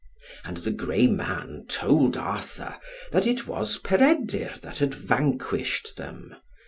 And the grey man told Arthur, that it was Peredur that had vanquished them.